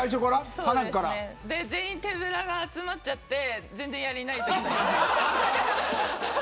全員、手ぶらが集まっちゃって全然、やりがないときあります。